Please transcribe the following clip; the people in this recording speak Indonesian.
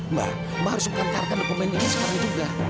mbak mbak harus mengantarkan dokumen ini sekarang juga